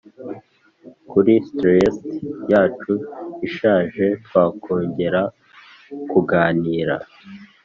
kuri tryst yacu ishaje twakongera kuganira